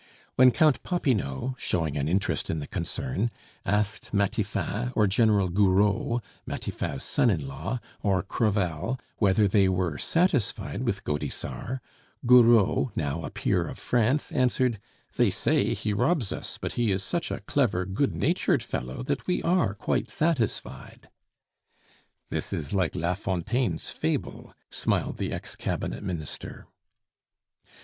When Count Popinot, showing an interest in the concern, asked Matifat, or General Gouraud (Matifat's son in law), or Crevel, whether they were satisfied with Gaudissart, Gouraud, now a peer of France, answered, "They say he robs us; but he is such a clever, good natured fellow, that we are quite satisfied." "This is like La Fontaine's fable," smiled the ex cabinet minister.